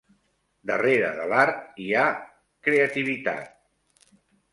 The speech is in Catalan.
Darrere de l'art hi ha creativitat.